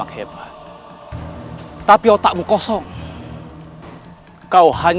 bagaimana kita bisa jatuhkan